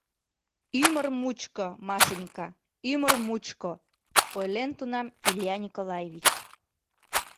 «Ӱмыр мучко, Машенька, ӱмыр мучко», — ойлен тунам Илья Николаевич.